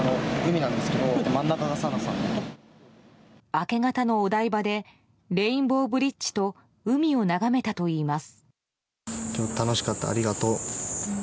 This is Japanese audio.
明け方のお台場でレインボーブリッジと海を眺めたといいます。